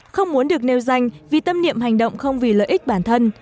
không muốn được nêu danh vì tâm niệm hành động không vì lợi ích bản thân